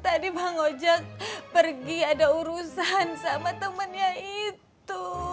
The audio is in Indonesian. tadi bang ojek pergi ada urusan sama temennya itu